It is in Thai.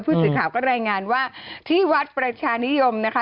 ผู้สื่อข่าวก็รายงานว่าที่วัดประชานิยมนะคะ